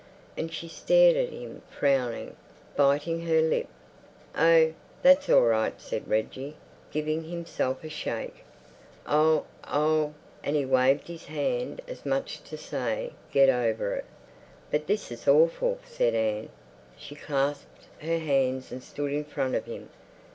And she stared up at him frowning, biting her lip. "Oh, that's all right," said Reggie, giving himself a shake. "I'll... I'll—" And he waved his hand as much to say "get over it." "But this is awful," said Anne. She clasped her hands and stood in front of him.